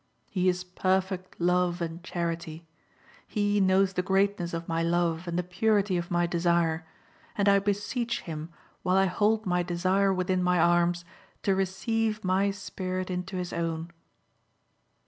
He is perfect love and charity. He knows the greatness of my love and the purity of my desire, and I beseech Him, while I hold my desire within my arms, to receive my spirit into His own."